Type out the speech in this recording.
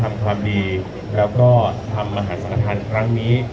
ทำความดีแล้วก็ทำมหาศาลธรรมครั้งนี้